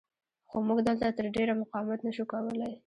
خو موږ دلته تر ډېره مقاومت نه شو کولی.